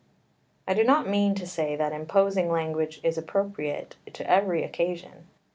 2 I do not mean to say that imposing language is appropriate to every occasion.